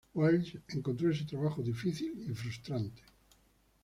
Wiles encontró ese trabajo difícil y frustrante.